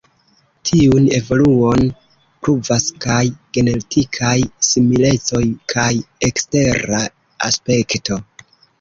Tiun evoluon pruvas kaj genetikaj similecoj kaj ekstera aspekto.